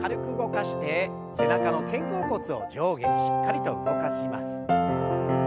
背中の肩甲骨を上下にしっかりと動かします。